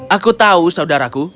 aku tahu saudaraku